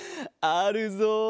あるぞ。